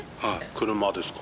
車ですか？